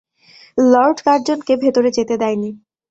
Lord কার্জনকে ভেতরে যেতে দেয়নি।